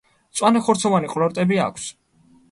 მწვანე ხორცოვანი ყლორტები აქვს.